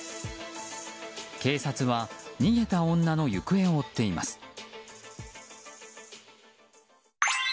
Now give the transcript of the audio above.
警察は逃げた女の行方を追っています。